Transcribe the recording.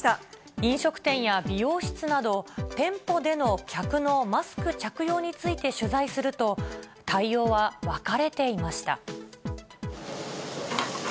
飲食店や美容室など、店舗での客のマスク着用について取材すると、対応は分かれていました。